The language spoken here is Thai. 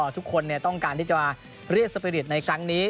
ทุกคนต้องการที่จะเรียกสปีริตในครั้งนี้